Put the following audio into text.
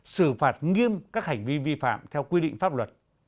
xử phạt nghiêm các hành vi vi phạm theo quy định pháp luật